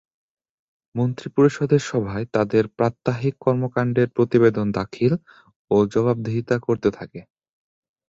মন্ত্রিপরিষদের সভায় তাদের প্রাত্যহিক কর্মকাণ্ডের প্রতিবেদন দাখিল ও জবাবদিহিতা করতে থাকে।